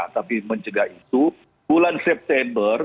tapi mencegah itu bulan september